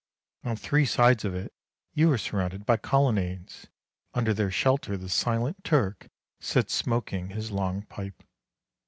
On three sides of it you are surrounded by colonades; under their shelter the silent Turk sits smoking his long pipe.